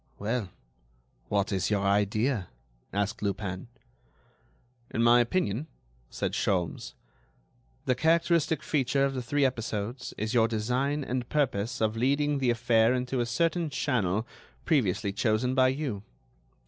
"Well, what is your idea?" asked Lupin. "In my opinion," said Sholmes, "the characteristic feature of the three episodes is your design and purpose of leading the affair into a certain channel previously chosen by you.